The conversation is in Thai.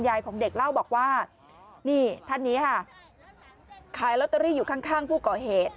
ของเด็กเล่าบอกว่านี่ท่านนี้ค่ะขายลอตเตอรี่อยู่ข้างผู้ก่อเหตุ